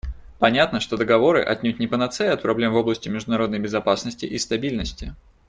Понятно, что договоры — отнюдь не панацея от проблем в области международной безопасности и стабильности.